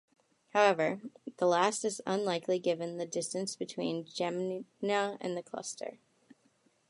However, the last is unlikely given the distance between Geminga and the cluster.